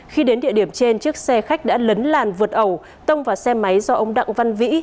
khi đến địa điểm trên chiếc xe khách đã lấn làn vượt ẩu tông vào xe máy do ông đặng văn vĩ